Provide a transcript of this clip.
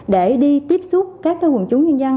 để đi tiếp xúc các quần chúng nhân dân